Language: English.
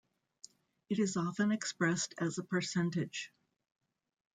It is often expressed as a percentage.